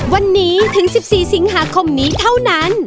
วันนี้ถึง๑๔สิงหาคมนี้เท่านั้น